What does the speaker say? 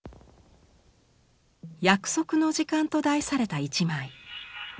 「約束の時間」と題された一枚。